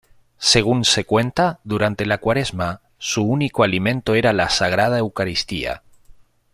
Según se cuenta, durante la cuaresma, su único alimento era la Sagrada Eucaristía.